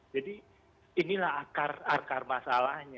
jadi inilah akar akar masalahnya